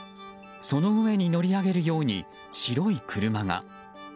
その上に乗り上げるように白い車が。